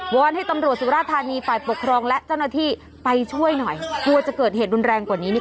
อนให้ตำรวจสุราธานีฝ่ายปกครองและเจ้าหน้าที่ไปช่วยหน่อยกลัวจะเกิดเหตุรุนแรงกว่านี้นี่